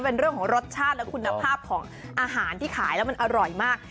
เป็นเรื่องของรสชาติและคุณภาพของอาหารที่ขายแล้วมันอร่อยมาก